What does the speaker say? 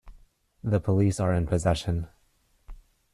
The police are in possession.